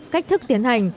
cách thức tiến hành